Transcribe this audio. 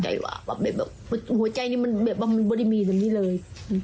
ตกใจความเหมาะหัวใจแบบว่ามันไม่มีที่นี้เลย